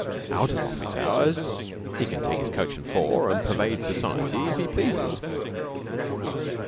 Out of office hours he can take his coach and four and pervade society if he pleases.